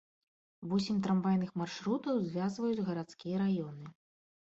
Восем трамвайных маршрутаў звязваюць гарадскія раёны.